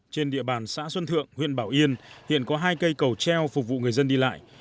trên địa bàn xã xuân thượng huyện bảo yên hiện có hai cây cầu treo phục vụ người dân đi lại